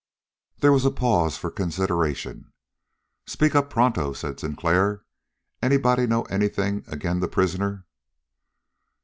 There was a pause of consideration. "Speak up pronto," said Sinclair. "Anybody know anything agin' the prisoner?"